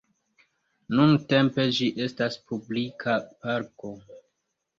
Nuntempe ĝi estas publika parko.